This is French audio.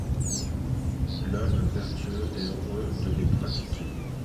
L’homme vertueux est heureux de les pratiquer.